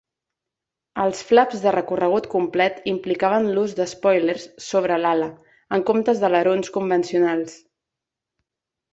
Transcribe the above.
Els flaps de recorregut complet implicaven l'ús d'espòilers sobre l'ala, en comptes d'alerons convencionals.